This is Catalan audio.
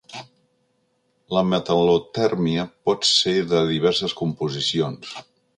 La metal·lotèrmia pot ser de diverses composicions.